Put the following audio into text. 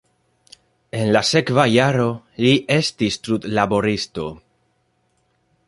En la sekva jaro li estis trudlaboristo.